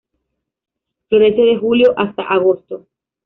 Florece de julio hasta agosto.